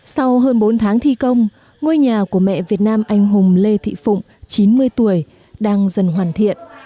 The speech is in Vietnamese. sau hơn bốn tháng thi công ngôi nhà của mẹ việt nam anh hùng lê thị phụng chín mươi tuổi đang dần hoàn thiện